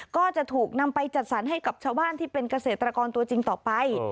ก็จะถูกนำไปจัดสรรให้กับชาวบ้านที่เป็นเกษตรกรตัวจริงต่อไป